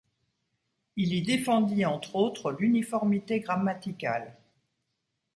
Il y défendit, entre autres, l'uniformité grammaticale.